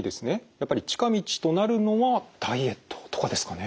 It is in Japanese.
やっぱり近道となるのはダイエットとかですかね？